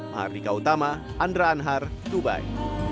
mahardika utama andra anhar dubai